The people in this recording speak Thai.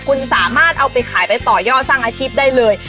คุณสามารถเอาไปขายไปต่อยอดสร้างอาชีพได้เลย